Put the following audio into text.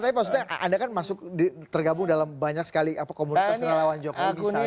tadi maksudnya anda kan masuk tergabung dalam banyak sekali komunitas yang lawan jokowi